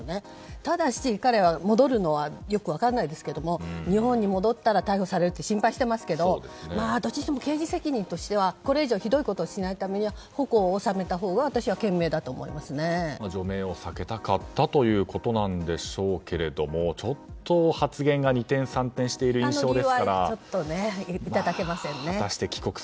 ただし、彼が戻るのはよく分からないですけど日本に戻ったら逮捕されるって心配していますけどどっちにしても刑事責任としてはこれ以上ひどいことをしないためには矛を収めたほうが除名を避けたかったということなんでしょうけどちょっと、発言が俺の「ＣｏｏｋＤｏ」！